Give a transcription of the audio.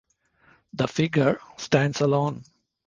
The figure stands alone.